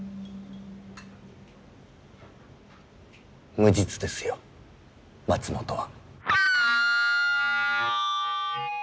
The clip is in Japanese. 無実ですよ松本は。